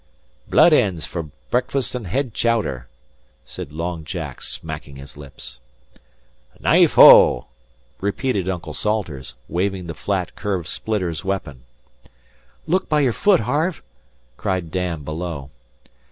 "Blood ends for breakfast an' head chowder," said Long Jack, smacking his lips. "Knife oh!" repeated Uncle Salters, waving the flat, curved splitter's weapon. "Look by your foot, Harve," cried Dan below.